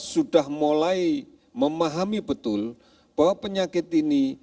sudah mulai memahami betul bahwa penyakit ini